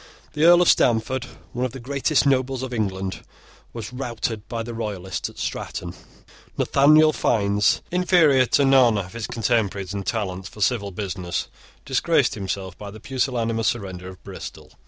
The Earl of Stamford, one of the greatest nobles of England, was routed by the Royalists at Stratton. Nathaniel Fiennes, inferior to none of his contemporaries in talents for civil business, disgraced himself by the pusillanimous surrender of Bristol.